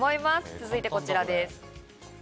続いてこちらです。